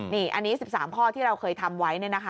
นี่อันนี้๑๓ข้อที่เราเคยทำไว้